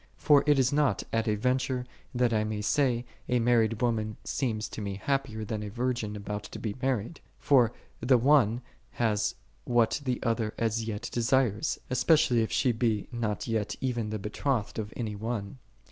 For it is not at a venture that I may say, a married woman seems to me hap pier than a virgin about to be married: for the one hath what the other as yet desires, especially if she be not yet even the betrothed of any one.